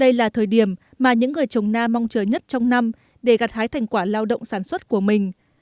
đây là thời điểm mà những người trồng na mong chờ nhất trong năm để gặt hái thành quả lao động sản xuất của mình